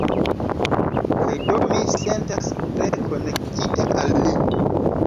Kaj do mi sentas tre konektita al li.